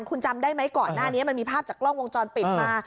คุณจำได้ไหมก่อนหน้านี้มันมีภาพจากกล้องวงจรปิดมา